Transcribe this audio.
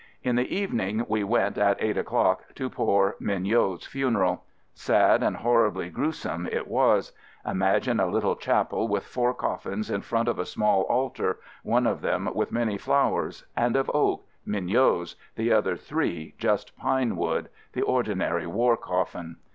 In the evening we went, at eight o'clock, to poor Mignot's funeral. Sad and horribly gruesome it was. Imagine a little chapel with four coffins in front of a small altar — one of them with many flowers, and of oak — Mignot's — the other three just pine wood — the ordinary war coffin.